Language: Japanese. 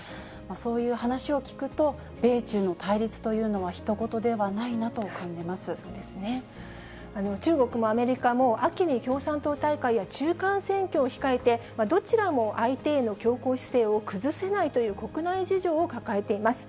そういう話を聞くと、米中の対立というのは、そうですね。中国もアメリカも、秋に共産党大会や中間選挙を控えて、どちらも相手への強硬姿勢を崩せないという国内事情を抱えています。